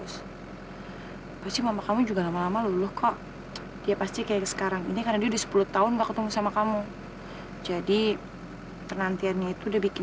sampai jumpa di video selanjutnya